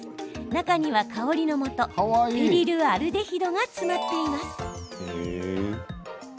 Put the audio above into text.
中には香りのもとぺリルアルデヒドが詰まっています。